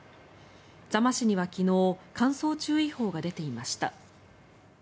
座間市には昨日乾燥注意報が出ていました。